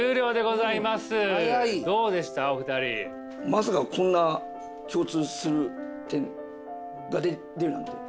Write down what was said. まさかこんな共通する点が出るなんて。